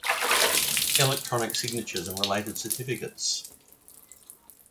Electronic signatures and related certificates